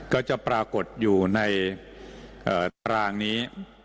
ก็จะปรากฏอยู่ในตารางนี้